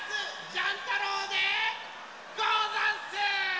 ジャン太郎でござんす！